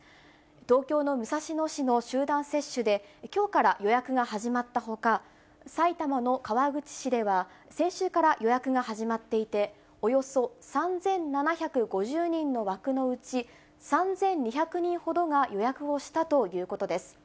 東京の武蔵野市の集団接種で、きょうから予約が始まったほか、埼玉の川口市では先週から予約が始まっていて、およそ３７５０人の枠のうち、３２００人ほどが予約をしたということです。